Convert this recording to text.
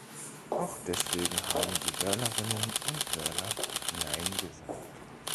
Auch deswegen haben die Wählerinnen und Wähler nein gesagt.